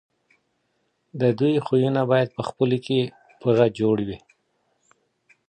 د دوی خویونه باید پخپلو کي پوره جوړ وي.